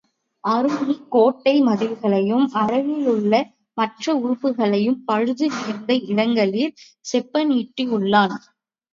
ஆருணி, கோட்டை மதில்களையும் அரணிலுள்ள மற்ற உறுப்புக்களையும் பழுது நேர்ந்த இடங்களிற் செப்பனிட்டுள்ளான்.